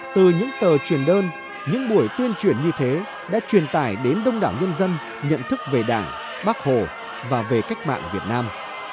từ những tờ truyền đơn những buổi tuyên truyền như thế đã truyền tải đến đông đảo nhân dân nhận thức về đảng bác hồ và về cách mạng việt nam